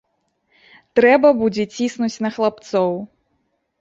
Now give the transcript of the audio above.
Трэба будзе ціснуць на хлапцоў.